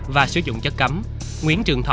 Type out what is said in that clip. lại do chính quý